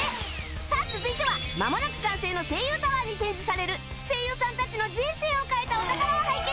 さあ続いてはまもなく完成の声優タワーに展示される声優さんたちの人生を変えたお宝を拝見するコーナー